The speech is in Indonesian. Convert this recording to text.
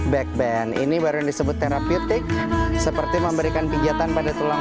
back band ini baru yang disebut terapic seperti memberikan pijatan pada tulang